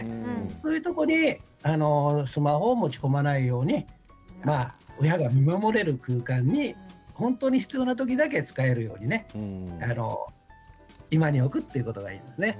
そういうところにスマホを持ち込まないように親が見守れる空間に本当に必要な時だけ使えるように居間に置くということがいいですね。